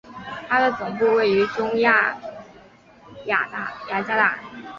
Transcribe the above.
它的总部位于中亚雅加达。